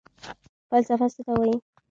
فلسفه څه ته وايي؟